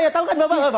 ya tahu kan bapak